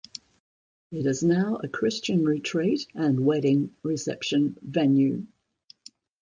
It is now a Christian retreat and wedding reception venue.